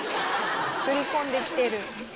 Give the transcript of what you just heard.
作り込んできてる。